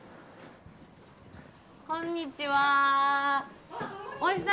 こんにちは。